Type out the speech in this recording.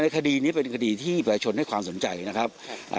คดีนี้เป็นคดีที่ประชาชนให้ความสนใจนะครับ